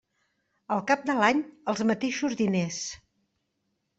Al cap de l'any, els mateixos diners.